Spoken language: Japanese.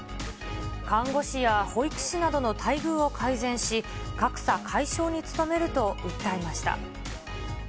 看護師や保育士などの待遇を改善し、格差解消に努めると訴えました。